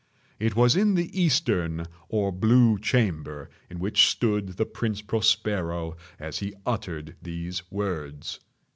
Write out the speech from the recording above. It was in the eastern or blue chamber in which stood the Prince Prospero as he uttered these words.